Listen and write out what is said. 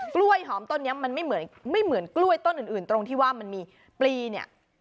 กล้วยหอมต้นนี้มันไม่เหมือนไม่เหมือนกล้วยต้นอื่นตรงที่ว่ามันมีปลีเนี่ย